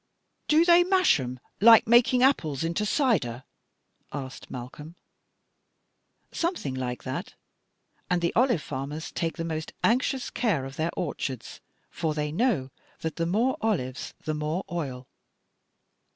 "Do they mash 'em, like making apples into cider?" asked Malcolm. "Something like that; and the olive farmers take the most anxious care of their orchards, for they know that the more olives the more oil.